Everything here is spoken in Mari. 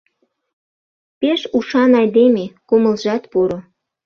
Пе-еш ушан айдеме, кумылжат поро.